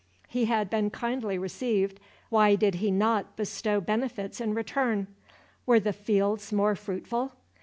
He had been kindly received why did he not bestow benefits in return? Were the fields more fruitful?